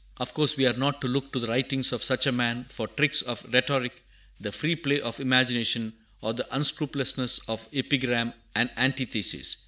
Of course we are not to look to the writings of such a man for tricks of rhetoric, the free play of imagination, or the unscrupulousness of epigram and antithesis.